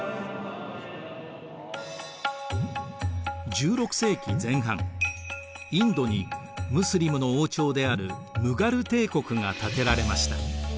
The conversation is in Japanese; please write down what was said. １６世紀前半インドにムスリムの王朝であるムガル帝国が建てられました。